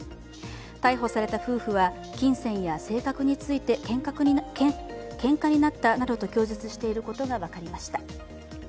逮捕された夫婦は金銭や性格についてけんかになったなどと供述していることが分かりました。